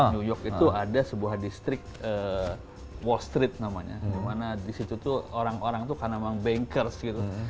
new york itu ada sebuah distrik wall street namanya dimana disitu tuh orang orang itu karena memang bankers gitu